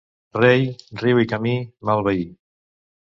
Rei, riu i camí, mal veí.